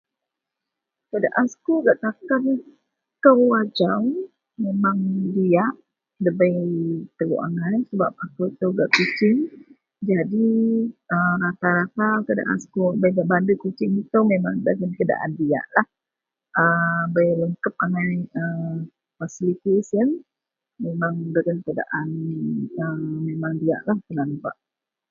Biasa benateng wak nimen dagen meseraket melo yenlah seing, asou, siyau, eteik manuk.